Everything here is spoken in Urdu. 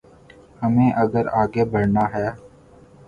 ہمیں اگر آگے بڑھنا ہے۔